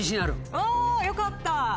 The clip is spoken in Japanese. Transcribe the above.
あよかった！